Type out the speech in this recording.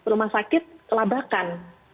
rumah sakit labakan